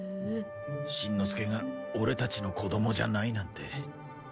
しんのすけがオレたちの子供じゃないなんて。